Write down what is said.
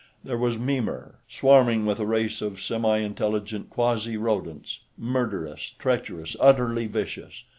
There was Mimir, swarming with a race of semi intelligent quasi rodents, murderous, treacherous, utterly vicious.